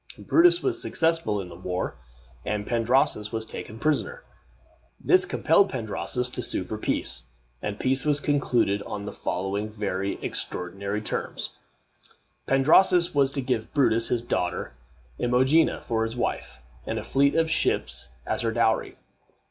Brutus was successful in the war, and Pandrasus was taken prisoner. This compelled Pandrasus to sue for peace, and peace was concluded on the following very extraordinary terms: Pandrasus was to give Brutus his daughter Imogena for a wife, and a fleet of ships as her dowry.